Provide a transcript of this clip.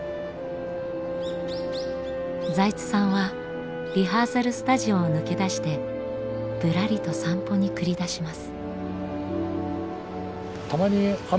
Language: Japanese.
財津さんはリハーサルスタジオを抜け出してぶらりと散歩に繰り出します。